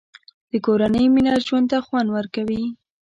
د کورنۍ مینه ژوند ته خوند ورکوي.